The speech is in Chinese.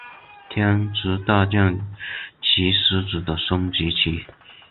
天竺大将棋狮子的升级棋。